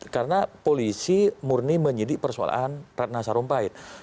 karena polisi murni menyidik persoalan ratna sarumpahit